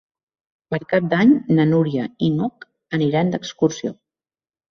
Per Cap d'Any na Núria i n'Hug aniran d'excursió.